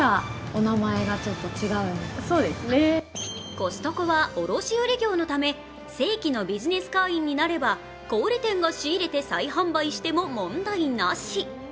コストコは卸売り業のため正規のビジネス会員になれば小売店が仕入れて再販売しても問題なし。